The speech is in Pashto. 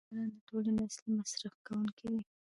کارګران د ټولنې اصلي مصرف کوونکي دي